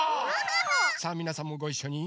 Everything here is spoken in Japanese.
さあみなさんもごいっしょに！